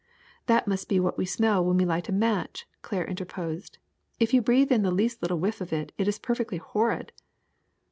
'' "That must be what we smell when we light a match," Claire interposed. "If you breathe in the least little whiff of it, it is perfectly horrid."